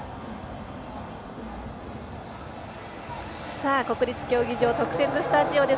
さあ、国立競技場特設スタジオです。